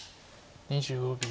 ２５秒。